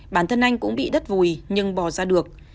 bản thân anh cũng bị đất vùi nhưng bỏ ra được